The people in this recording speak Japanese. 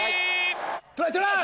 トライトライ！